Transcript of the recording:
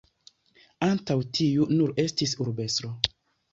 Antaŭe tiu nur estis urbestro.